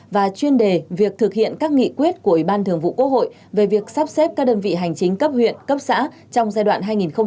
và chuyên đề việc thực hiện các nghị quyết của ủy ban thường vụ quốc hội về việc sắp xếp các đơn vị hành chính cấp huyện cấp xã trong giai đoạn hai nghìn một mươi chín hai nghìn hai mươi một